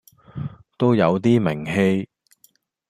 都有啲名氣